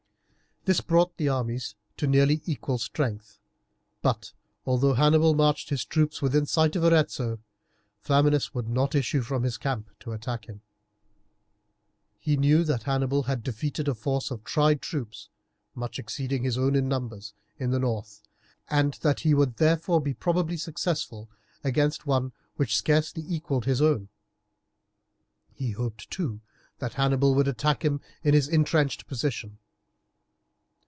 This brought the armies to nearly equal strength, but, although Hannibal marched his troops within sight of Arezzo, Flaminius would not issue from his camp to attack him. He knew that Hannibal had defeated a force of tried troops, much exceeding his own in numbers, in the north, and that he would therefore probably be successful against one which scarcely equalled his own. He hoped, too, that Hannibal would attack him in his intrenched position.